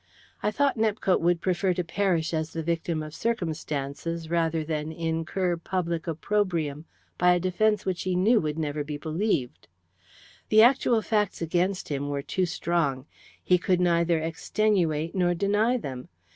I thought Nepcote would prefer to perish as the victim of circumstances rather than incur public opprobrium by a defence which he knew would never be believed. The actual facts against him were too strong. He could neither extenuate nor deny them.